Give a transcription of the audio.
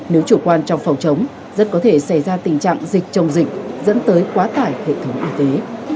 nếu chủ quan trong phòng chống rất có thể xảy ra tình trạng dịch trong dịch dẫn tới quá tải hệ thống y tế